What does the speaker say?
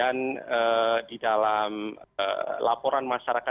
yang mana kita bisa menilai kategori tangkap tangan atau tidak